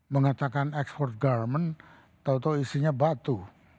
mengatakan ekspor garmen tau tau isinya batu